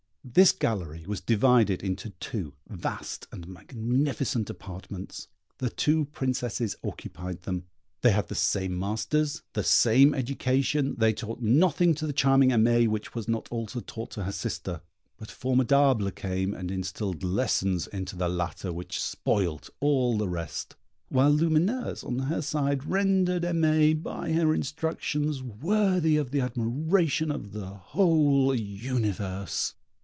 This gallery was divided into two vast and magnificent apartments: the two Princesses occupied them; they had the same masters, the same education; they taught nothing to the charming Aimée which was not also taught to her sister; but Formidable came and instilled lessons into the latter which spoilt all the rest, while Lumineuse, on her side, rendered Aimée, by her instructions, worthy of the admiration of the whole universe.